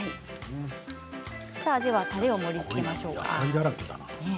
たれを盛りつけましょう。